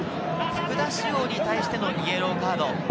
福田師王に対してのイエローカード。